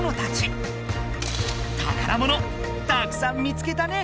宝物たくさん見つけたね！